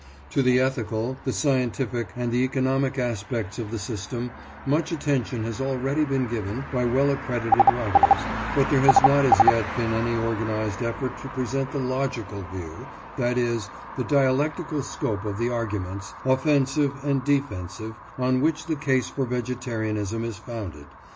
To the ethical, the scientific, and the economic aspects of the system much attention has already been given by well accredited writers, but there has not as yet been any organised effort to present the logical view—that is, the dialectical scope of the arguments, offensive and defensive, on which the case for vegetarianism is founded.